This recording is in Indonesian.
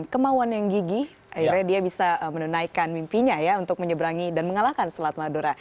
kemauan yang gigih akhirnya dia bisa menunaikan mimpinya ya untuk menyeberangi dan mengalahkan selat madura